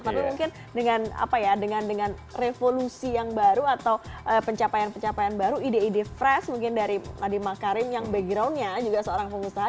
tapi mungkin dengan apa ya dengan revolusi yang baru atau pencapaian pencapaian baru ide ide fresh mungkin dari nadiem makarim yang backgroundnya juga seorang pengusaha